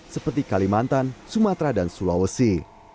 seperti kalimantan sumatera dan sulawesi